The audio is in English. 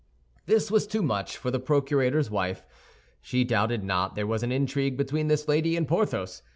This was too much for the procurator's wife; she doubted not there was an intrigue between this lady and Porthos.